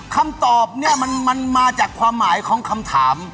คำตอบเนี่ยมันมาจากความหมายของคำถาม